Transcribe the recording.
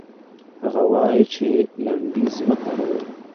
هغه وايي چې لنډيز مه کاروئ.